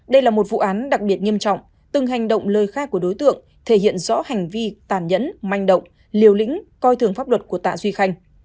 đây là một vụ án đặc biệt nghiêm trọng từng hành động lời khai của đối tượng thể hiện rõ hành vi tàn nhẫn manh động liều lĩnh coi thường pháp luật của tạ duy khanh